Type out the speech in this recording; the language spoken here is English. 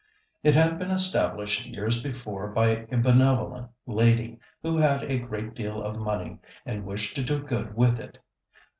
It had been established years before by a benevolent lady, who had a great deal of money, and wished to do good with it.